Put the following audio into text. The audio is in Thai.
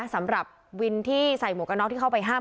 สำหรับวินที่ใส่หมวกกระน็อกที่เข้าไปห้าม